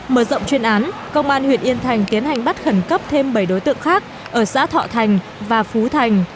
mở rộng chuyên án công an huyện yên thành tiến hành bắt khẩn cấp thêm bảy đối tượng khác ở xã thọ thành và phú thành